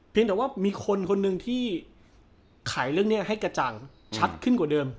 แต่ว่ามีคนคนหนึ่งที่ขายเรื่องนี้ให้กระจ่างชัดขึ้นกว่าเดิม